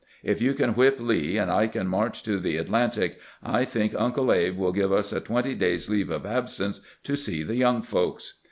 If you can wliip Lee, and I can march to the At lantic, I think Uncle Abe wiU give ns a twenty days' leave of absence to see the young folks."